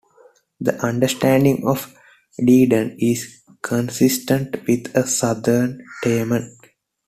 This understanding of Dedan is consistent with a southern Teman.